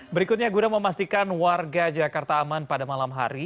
berikutnya guna memastikan warga jakarta aman pada malam hari